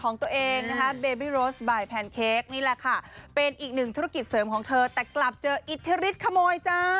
นี่แหละค่ะเป็นอีกหนึ่งธุรกิจเสริมของเธอแต่กลับเจออิทธิฤทธิ์ขโมยจ้า